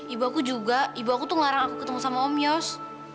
ibu aku juga ibu aku tuh ngelarang aku ketemu sama om yos